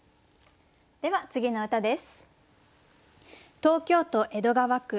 では次の歌です。